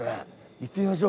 行ってみましょう。